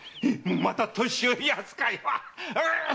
また年寄り扱いは！